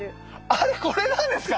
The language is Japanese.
あれこれなんですか？